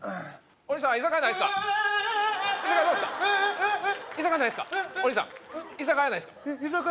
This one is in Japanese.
お兄さん居酒屋ないすか？